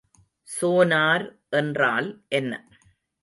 Sonar என்றால் என்ன?